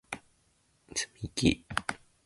つみき